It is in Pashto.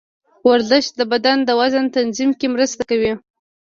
ورزش د بدن د وزن تنظیم کې مرسته کوي.